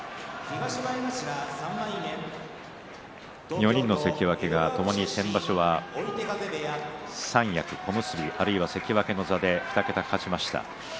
４人の関脇がともに先場所は三役、小結あるいは関脇の座で２桁勝ちました。